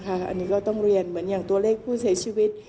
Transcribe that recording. อันนี้ก็ต้องเรียนเหมือนอย่างตัวเลขผู้เสียชีวิต